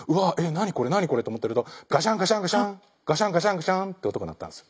何これ何これって思ってるとガシャンガシャンガシャンガシャンガシャンガシャンって音が鳴ったんですよ。